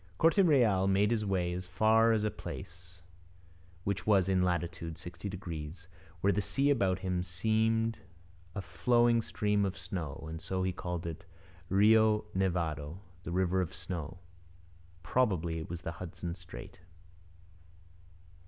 Corte Real made his way as far as a place (which was in latitude 60 degrees) where the sea about him seemed a flowing stream of snow, and so he called it Rio Nevado, 'the river of snow.' Probably it was Hudson Strait.